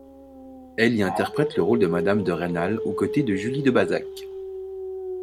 Elle y interprète le rôle de madame de Rénal aux côtés de Julie Debazac.